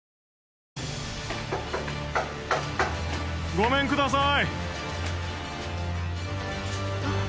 ごめんください